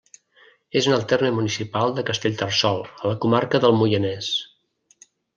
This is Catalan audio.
És en el terme municipal de Castellterçol, a la comarca del Moianès.